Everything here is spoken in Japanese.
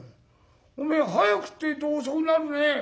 おめえは早くって言うと遅くなるね。